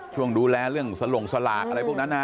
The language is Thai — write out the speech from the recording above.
ช่วงดูแลเรื่องสลงสลากอะไรพวกนั้น